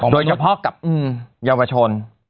โดยเฉพาะกับเยาวชน